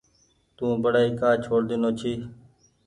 تو پڙآئي ڪآ ڇوڙ ۮينو ڇي۔